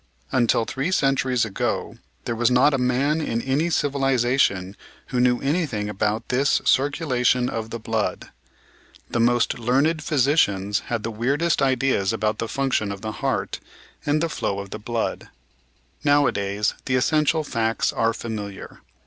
Until three centuries ago there was not a man in any civilisa tion who knew anything about this "circulation of the blood." The Body Machine and Its Work 338 The most learned physicians had the weirdest ideas about the function of the heart and the flow of the blood. Nowadays the essential facts are familiar.